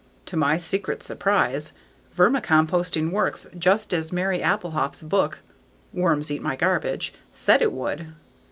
To my secret surprise, vermicomposting works just as Mary Appelhof's book Worms Eat My Garbage said it would.